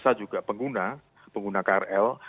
saya juga pengguna pengguna krl